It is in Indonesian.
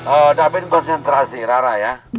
oh david konsentrasi rara ya